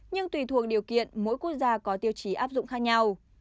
nhưng tùy thuộc điều kiện mỗi quốc gia có tiêu chí áp dụng khác nhau